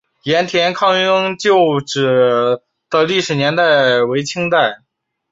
雁田抗英旧址的历史年代为清代。